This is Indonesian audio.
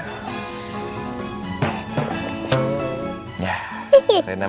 ya rena bener lagi